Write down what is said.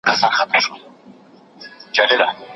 په بل کس ئې غيبت او تهمت ويلی وي.